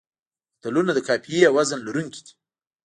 متلونه د قافیې او وزن لرونکي دي